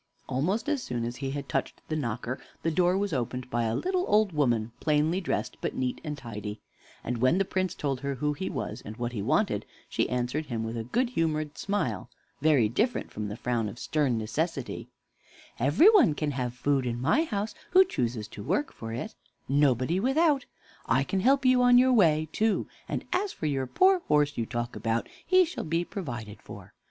Almost as soon as he had touched the knocker the door was opened by a little old woman, plainly dressed, but neat and tidy: and when the Prince told her who he was, and what he wanted, she answered him with a good humored smile, very different from the frown of stern Necessity: "Every one can have food in my house who chooses to work for it; nobody without. I can help you on your way, too; and as for your poor horse you talk about, he shall be provided for.